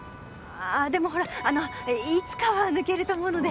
あでもほらあのいつかは抜けると思うので。